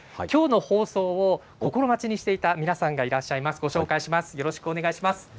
きょうの放送を心待ちにしていた皆さんがいらっしゃいます。